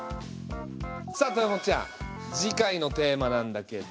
さあ豊本ちゃん次回のテーマなんだけど。